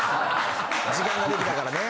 時間が出来たからね。